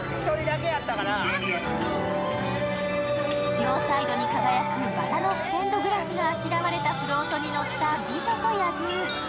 両サイドに輝くばらのステンドグラスがあしらわれたフロートに乗った美女と野獣。